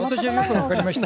分かりました？